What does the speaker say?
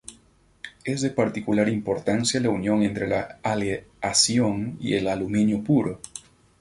Es de particular importancia la unión entre la aleación y el aluminio puro.